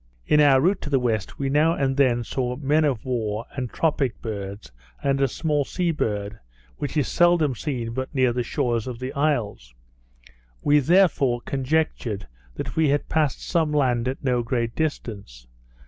In our route to the west we now and then saw men of war and tropic birds, and a small sea bird, which is seldom seen but near the shores of the isles; we, therefore, conjectured that we had passed some land at no great distance.